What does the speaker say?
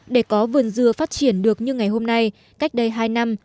để có vườn dừa phát triển được như ngày hôm nay cách đây hai năm